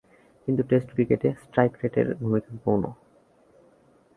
কিন্তু টেস্ট ক্রিকেটে স্ট্রাইক রেটের ভূমিকা গৌণ।